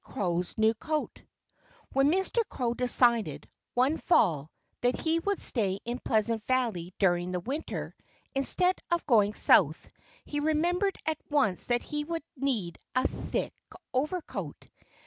CROW'S NEW COAT When Mr. Crow decided, one fall, that he would stay in Pleasant Valley during the winter, instead of going South, he remembered at once that he would need a thick overcoat.